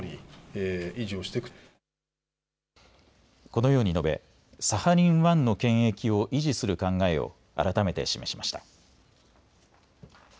このように述べサハリン１の権益を維持する考えを改めて示しました。